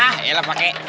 ya elah pakai